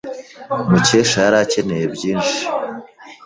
Mukesha yari akeneye byinshi.